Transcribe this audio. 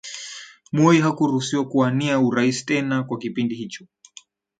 Moi hakuruhusiwa kuwania urais tena kwa kipindi hicho